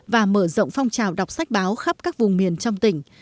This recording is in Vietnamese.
và mở rộng phong trào đọc sách báo khắp các vùng miền trong tỉnh